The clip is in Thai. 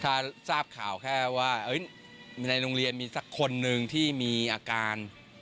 ถ้าทราบข่าวแค่ว่าในโรงเรียนมีสักคนหนึ่งที่มีอาการ